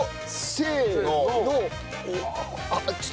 せーの。